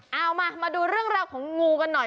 เอามามาดูเรื่องราวของงูกันหน่อย